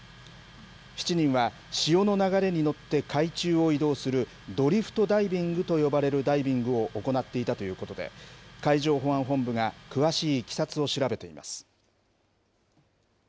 ７人は潮の流れに乗って海中を移動する、ドリフトダイビングと呼ばれるダイビングを行っていたということで、海上保安本部が詳しいいきさつを調べています。